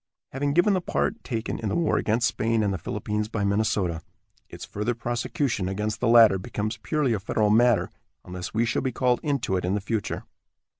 Having given the part taken in the war against Spain and the Philippines by Minnesota, its further prosecution against the latter becomes purely a federal matter, unless we shall be called into it in the future.